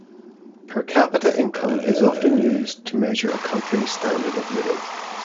Per capita income is often used to measure a country's standard of living.